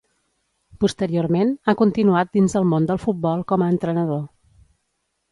Posteriorment, ha continuat dins el món del futbol com a entrenador.